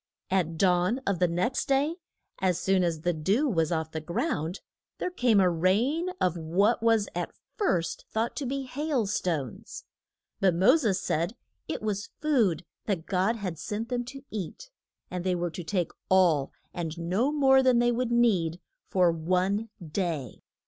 At dawn of the next day, as soon as the dew was off the ground, there came a rain of what was at first thought to be hail stones. [Illustration: THE CROSS ING OF THE RED SEA.] But Mo ses said it was food that God had sent them to eat, and they were to take all and no more than they would need for one day.